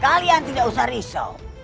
kalian tidak usah risau